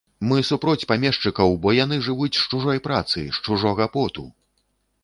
Мы супроць памешчыкаў, бо яны жывуць з чужой працы, з чужога поту.